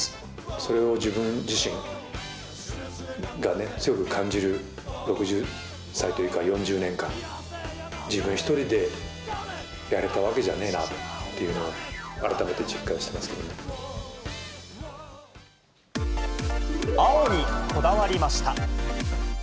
それを自分自身が、強く感じる６０歳というか４０年間、自分一人でやれたわけじゃねえなっていうのを、青にこだわりました。